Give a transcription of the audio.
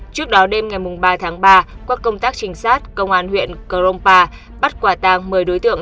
trước đó đêm ngày ba tháng ba qua công tác trinh sát công an huyện krongpa bắt quả tàng một mươi đối tượng